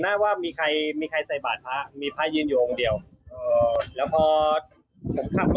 เดินต่อไปเลยใช่ครับแต่ไม่มีคนเชื่อครับผมเชื่อครับ